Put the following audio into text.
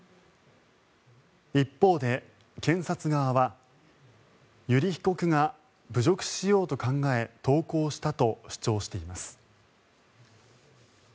一方で検察側は油利被告が侮辱しようと考え投稿したと主張しています。